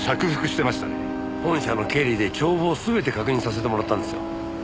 本社の経理で帳簿を全て確認させてもらったんですよ。